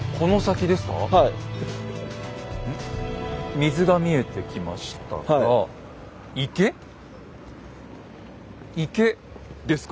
水が見えてきましたが池ですか？